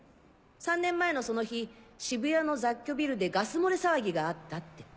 ３年前のその日渋谷の雑居ビルでガス漏れ騒ぎがあったって。